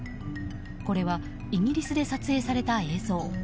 これはイギリスで撮影された映像。